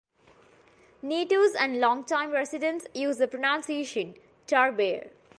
Natives and longtime residents use the pronunciation "Tar-Ber".